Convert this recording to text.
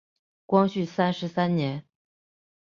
光绪三十三年。